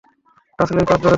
কাসলেই পাদ বেরাচ্ছে।